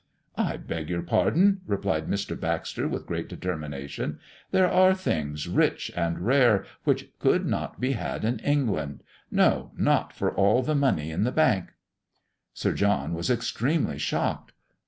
"I beg your pardon," replied Mr. Baxter, with great determination; "there are things rich and rare which could not be had in England no, not for all the money in the Bank!" Sir John was extremely shocked.